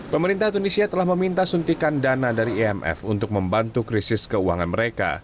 pemerintah tunisia telah meminta suntikan dana dari imf untuk membantu krisis keuangan mereka